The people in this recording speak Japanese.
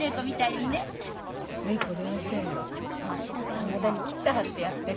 いまだに切った張ったやってる。